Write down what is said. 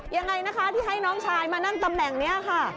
ยังไงนะคะที่ให้น้องชายมานั่งตำแหน่งนี้ค่ะ